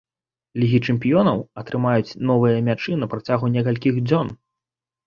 Лігі чэмпіёнаў, атрымаюць новыя мячы на працягу некалькіх дзён.